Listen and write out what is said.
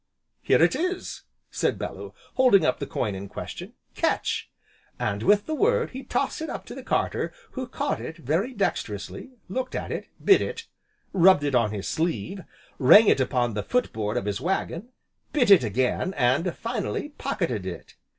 "Here it is," said Bellew, holding up the coin in question. "Catch!" and, with the word, he tossed it up to the carter who caught it, very dexterously, looked at it, bit it, rubbed it on his sleeve, rang it upon the foot board of his waggon, bit it again and finally pocketed it.